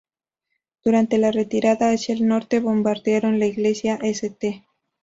Durante la retirada hacia el norte, bombardearon la Iglesia St.